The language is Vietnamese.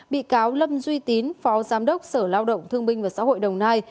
bị cáo lâm duy tín phó giám đốc sở lao động thương minh và xã hội đồng nai